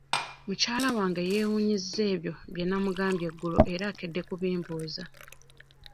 Mukyala wange yeewuunyizza ebyo bye namugambye eggulo era akedde kubimbuuza.